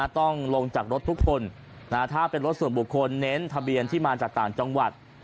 ต้องลงจากรถทุกคนถ้าเป็นรถส่วนบุคคลเน้นทะเบียนที่มาจากต่างจังหวัด